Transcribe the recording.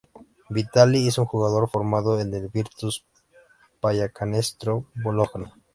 Vitali es un jugador formado en el Virtus Pallacanestro Bologna.